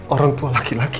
orang tua laki laki